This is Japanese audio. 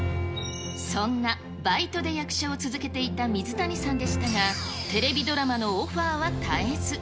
そんなバイトで役者を続けていた水谷さんでしたが、テレビドラマのオファーは絶えず。